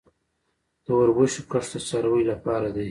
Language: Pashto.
د وربشو کښت د څارویو لپاره دی